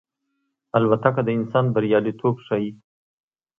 الوتکه د انسان بریالیتوب ښيي.